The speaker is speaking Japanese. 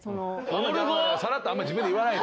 さらっとあんま自分で言わない。